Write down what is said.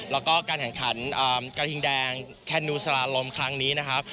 แล้วก็การแข่งขันกระทิงแดงแคนนูสลาลมครั้งนี้นะครับ